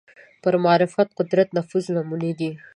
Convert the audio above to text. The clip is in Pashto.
پر معرفت قدرت نفوذ نمونې دي